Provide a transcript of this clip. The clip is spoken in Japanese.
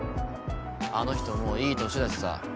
あの人もういい年だしさ。